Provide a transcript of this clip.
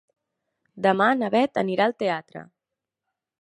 Demà na Beth anirà al teatre.